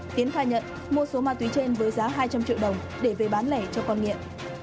tiến khai nhận mua số ma túy trên với giá hai trăm linh triệu đồng để về bán lẻ cho con nghiện